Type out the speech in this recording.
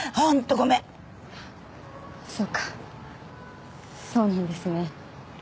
ごめんそうかそうなんですね